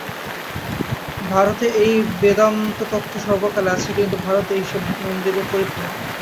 ভারতে এই বেদান্ততত্ত্ব সর্বকালে আছে, কিন্তু ভারত এইসব মন্দিরে পরিপূর্ণ।